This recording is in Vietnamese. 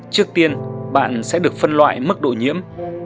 trước tiên bạn sẽ được phân loại mức độ nhiễm